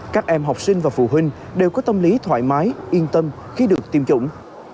các em học sinh và phụ huynh đều có tâm lý thoải mái yên tâm khi được tiêm chủng